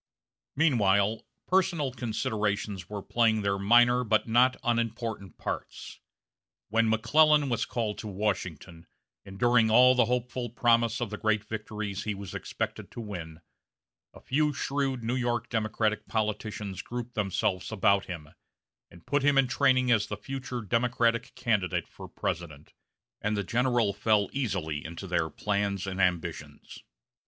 Meanwhile, personal considerations were playing their minor, but not unimportant parts. When McClellan was called to Washington, and during all the hopeful promise of the great victories he was expected to win, a few shrewd New York Democratic politicians grouped themselves about him, and put him in training as the future Democratic candidate for President; and the general fell easily into their plans and ambitions.